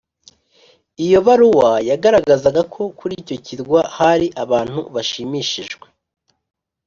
Iyo baruwa yagaragazaga ko kuri icyo kirwa hari abantu bashimishijwe